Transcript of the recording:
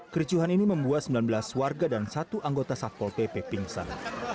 kericuhan ini membuat sembilan belas warga dan satu anggota satpol pp pingsan